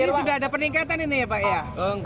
berarti sudah ada peningkatan ini ya pak